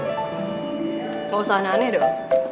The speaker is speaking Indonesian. gak usah aneh aneh dong